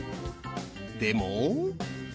でも。